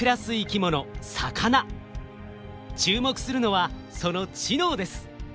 注目するのはその知能です。